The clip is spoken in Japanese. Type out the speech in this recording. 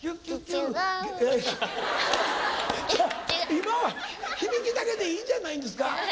今は響きだけでいいんじゃないんですか？